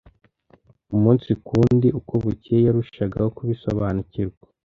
Umunsi ku wundi uko bukeye yarushagaho kubisobanukirwa